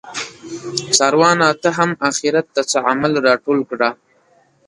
څاروانه ته هم اخیرت ته څه عمل راټول کړه